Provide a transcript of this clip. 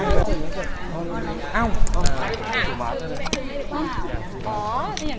โอเคขอบคุณค่ะ